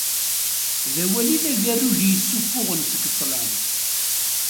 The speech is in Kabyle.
D awal id agerruj i yessufuɣen seg ṭṭlam.